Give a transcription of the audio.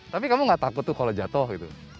tapi kamu gak takut tuh kalau jatuh gitu